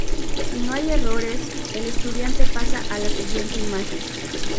Si no hay errores, el estudiante pasa a la siguiente imagen.